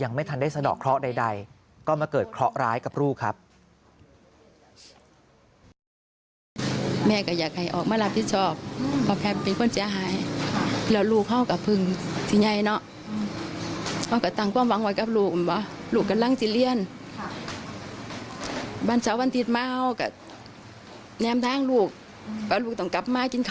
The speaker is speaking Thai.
ไม่ทันได้สะดอกเคราะห์ใดก็มาเกิดเคราะหร้ายกับลูกครับ